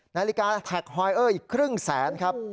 นาฬิกาแท็กฮอยเออร์อีกครึ่งแสนครับ